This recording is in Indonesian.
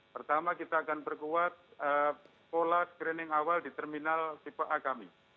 pertama kita akan perkuat pola screening awal di terminal tipe a kami